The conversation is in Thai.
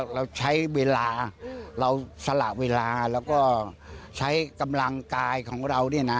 เราใช้เวลาเราสละเวลาแล้วก็ใช้กำลังกายของเราเนี่ยนะ